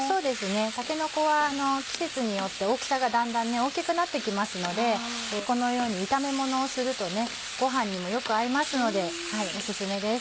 たけのこは季節によって大きさがだんだん大きくなってきますのでこのように炒めものをするとご飯にもよく合いますのでオススメです。